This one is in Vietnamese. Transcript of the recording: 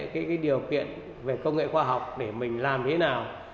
cái điều kiện về công nghệ khoa học để mình làm thế nào